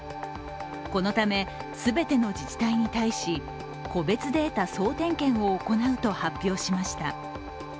このため全ての自治体に対し個別データ総点検を行うと発表しました。